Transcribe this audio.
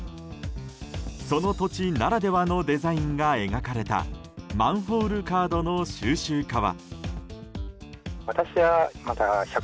その土地ならではのデザインが描かれたマンホールカードの収集家は。